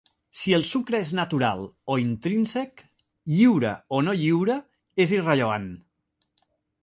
Si el sucre és natural o intrínsec, lliure o no lliure, és irrellevant.